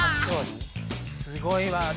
すごいわ。